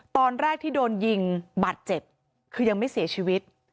ตอนแรกที่โดนยิงบาดเจ็บคือยังไม่เสียชีวิต